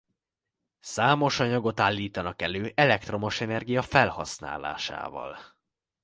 Számos anyagot állítanak elő elektromos energia felhasználásával.